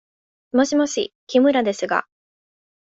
もしもし、木村ですが。